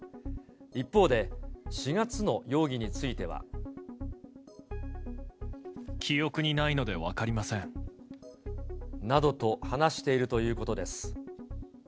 一方で、４月の容疑については。などと話しているということです。